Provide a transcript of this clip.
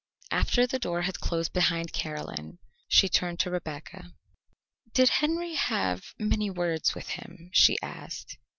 After the door had closed behind Caroline, she turned to Rebecca. "Did Henry have many words with him?" she asked.